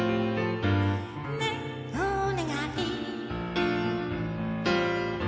「ねぇおねがい」